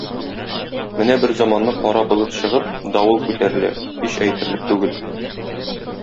Менә берзаманны кара болыт чыгып, давыл күтәрелә, һич әйтерлек түгел.